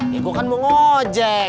ya gue kan mau nge ojek